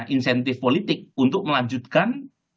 insentif politik untuk melanjutkan